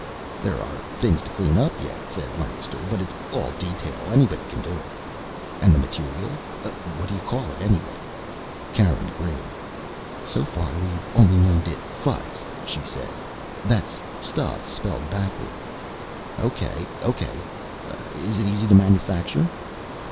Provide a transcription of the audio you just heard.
"There are things to clean up yet," said Lancaster, "but it's all detail. Anybody can do it." "And the material what do you call it, anyway?" Karen grinned. "So far, we've only named it ffuts," she said. "That's 'stuff' spelled backward." "Okay, okay. It's easy to manufacture?"